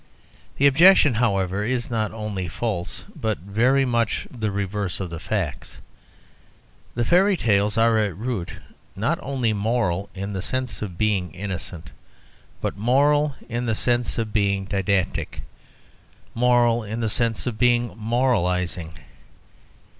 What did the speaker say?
The objection, however, is not only false, but very much the reverse of the facts. The fairy tales are at root not only moral in the sense of being innocent, but moral in the sense of being didactic, moral in the sense of being moralising.